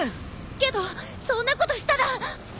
けどそんなことしたら。